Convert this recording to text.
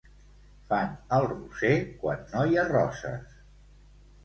Fan el roser quan no hi ha roses.